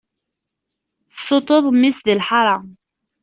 Tessuṭṭuḍ mmi-s di lḥaṛa.